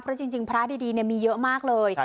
เพราะจริงพระดีมีเยอะมากเลย